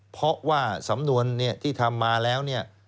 เพราะว่าสำนวนที่ทำมาแล้วเนี่ย